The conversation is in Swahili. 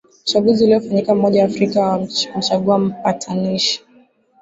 chaguzi uliofanyika umoja waafrika wa kumchagua mpatanishi